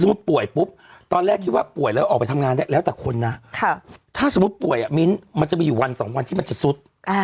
สมมุติปวยครับมิ้นท์มันจะมึงอยู่เวลาสองวันที่มันเฉยสุด